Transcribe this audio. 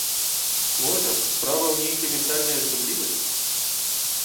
Можа, справа ў нейкай ментальнай асаблівасці?